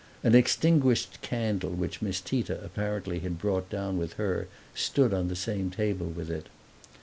An extinguished candle which Miss Tita apparently had brought down with her stood on the same table with it.